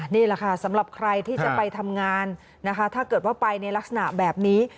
นี่แหละค่ะสำหรับใครที่จะไปทำงานนะคะถ้าเกิดว่าไปในลักษณะแบบนี้